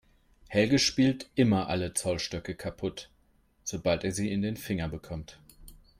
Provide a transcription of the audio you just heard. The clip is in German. Helge spielt immer alle Zollstöcke kaputt, sobald er sie in die Finger bekommt.